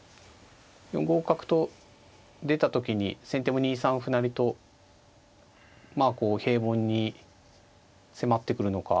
４五角と出た時に先手も２三歩成とまあこう平凡に迫ってくるのか。